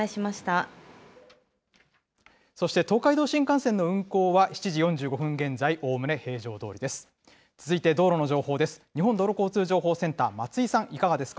そして東海道新幹線の運行は７時４５分現在、おおむね平常どおりです。